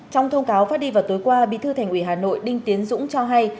trong thông cáo phát đi vào tối qua bí thư thành ủy hà nội đinh tiến dũng cho hay